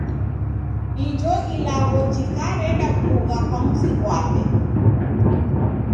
Ijo ilagho jikareda bugha kwa mzi ghwape.